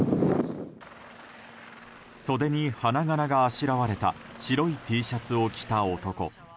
袖に花柄があしらわれた白いＴシャツを着た男。